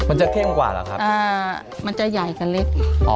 มันจะเข้มกว่าเหรอครับอ่ามันจะใหญ่กว่าเล็กอีก